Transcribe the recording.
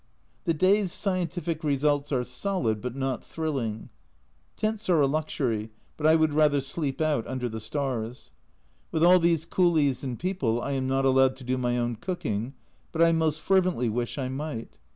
The day's scientific results are solid, but not thrilling. Tents are a luxury, but I would rather sleep out under the stars. With all these coolies and people I am not allowed to do my own cooking, but I most fervently wish I might.